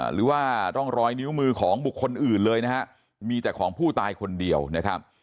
หรือว่าร่องรอยนิ้วมือของบุคคลอื่นเลยนะฮะมีแต่ของผู้ตายคนเดียวนะครับ